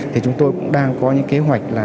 thì chúng tôi cũng đang có những kế hoạch